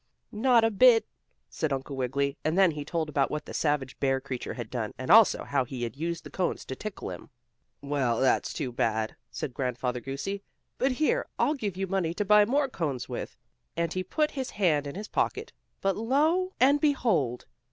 "Not a bit," said Uncle Wiggily, and then he told about what the savage bear creature had done, and also how he had used the cones to tickle him. "Well, that's too bad," said Grandfather Goosey, "but here, I'll give you money to buy more cones with," and he put his hand in his pocket, but lo and behold!